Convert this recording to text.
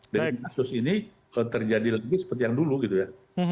dan kasus ini terjadi lebih seperti yang dulu gitu ya